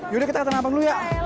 yaudah kita ke tanah abang dulu ya